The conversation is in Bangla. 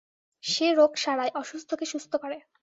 সে রোগ সারায়, অসুস্থকে সুস্থ করে।